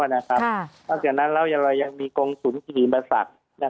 แล้วเรายังมีกองศุลธิมศักดิ์